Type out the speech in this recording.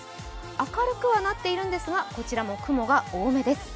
明るくはなっているんですが、こちらも雲が多めです。